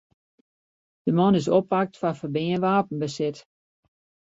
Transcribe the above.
De man is oppakt foar ferbean wapenbesit.